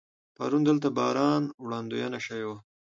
پرون دلته د باران وړاندوینه شوې وه.